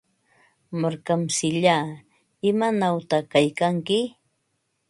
Markamsillaa, ¿imanawta kaykanki?